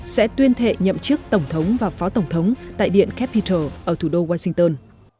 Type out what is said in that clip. sẽ tuyên thệ nhậm chức tổng thống và phó tổng thống tại điện capital ở thủ đô washington